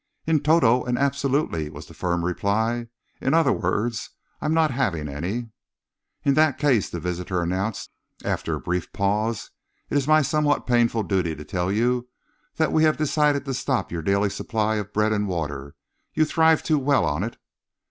"In toto and absolutely," was the firm reply. "In other words, I am not having any." "In that case," the visitor announced, after a brief pause, "it is my somewhat painful duty to tell you that we have decided to stop your daily supply of bread and water. You thrive too well on it."